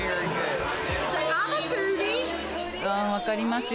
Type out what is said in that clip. あ分かりますよ